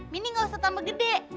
mini gak usah tambah gede